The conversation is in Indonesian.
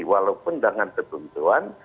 walaupun dengan ketentuan